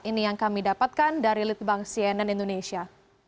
ini yang kami dapatkan dari litbang cnn indonesia